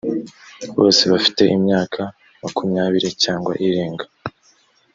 bose bafite imyaka makumyabiri cyangwa irenga.